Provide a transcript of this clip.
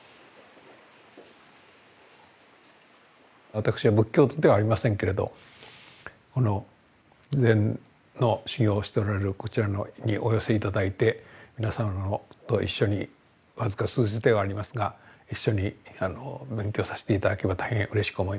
私は仏教徒ではありませんけれど禅の修行をしておられるこちらにお寄せ頂いて皆さんとご一緒に僅か数日ではありますが一緒に勉強させて頂ければ大変うれしく思います。